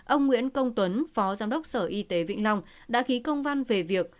ông nguyễn công tuấn phó giám đốc sở y tế vĩnh long đã ký công văn về việc